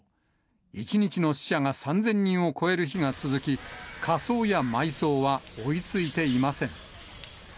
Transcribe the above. １日の死者が３０００人を超える日が続き、火葬や埋葬は追いついていません。